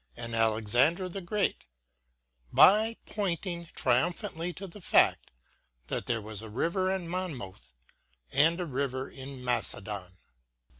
and Alexander the Great by pointing triumphantly to the fact that there was a river in Monmouth and a river in Macedon.